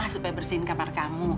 supaya bersihin kamar kamu